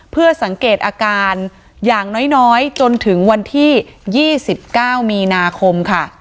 เพื่อสังเกตอาการอย่างน้อยจนถึงวันที่๒๙มีนาคมค่ะ